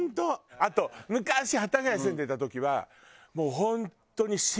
あと昔幡ヶ谷住んでた時はもう。